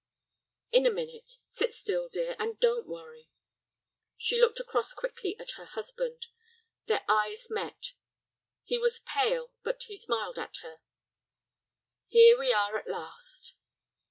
"In a minute. Sit still, dear, and don't worry." She looked across quickly at her husband. Their eyes met. He was pale, but he smiled at her. "Here we are, at last."